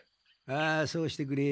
ああそうしてくれ。